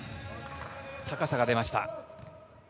高さが出ました。